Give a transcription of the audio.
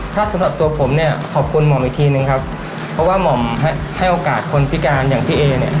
ถ้าสำหรับตัวผมเนี่ยขอบคุณหม่อมอีกทีนึงครับเพราะว่าหม่อมให้โอกาสคนพิการอย่างพี่เอเนี่ย